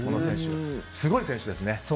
すごい選手ですね。